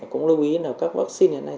cũng lưu ý là các vaccine hiện nay